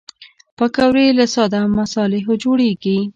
پکورې له ساده مصالحو جوړېږي